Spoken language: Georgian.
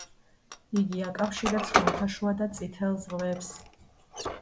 იგი აკავშირებს ხმელთაშუა და წითელ ზღვებს.